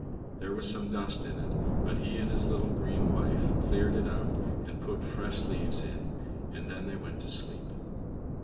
There was some dust in it, but he and his little green wife cleared it out and piit fresh leaves in, and then they went to sleep.